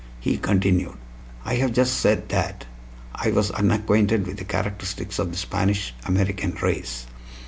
He continued: "I have just said that I was unacquainted with the characteristics of the Spanish American race.